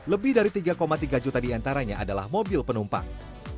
lebih dari tiga tiga juta diantaranya adalah mobil penumpang